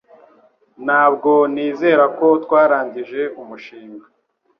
Ntabwo nizera ko twarangije umushinga